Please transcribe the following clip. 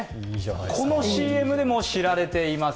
このＣＭでも知られています